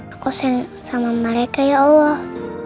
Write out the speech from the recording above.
aku senang sama mereka ya allah